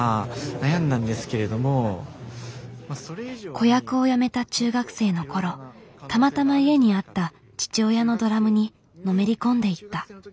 子役を辞めた中学生の頃たまたま家にあった父親のドラムにのめり込んでいった。